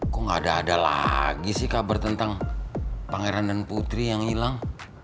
kok gak ada lagi sih kabar tentang pangeran dan putri yang hilang